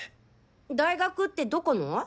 大学ってどこの？